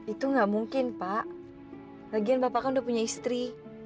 itu nggak mungkin pak bagian bapak kan udah punya istri